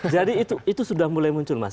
jadi itu sudah mulai muncul mas